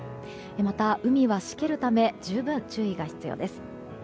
また海はしけるため十分注意が必要です。